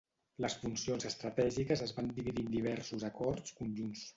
Les funcions estratègiques es van dividir en diversos acords conjunts.